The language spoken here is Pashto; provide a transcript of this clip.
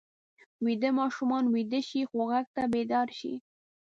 ویده ماشومان ویده شي خو غږ ته بیدار شي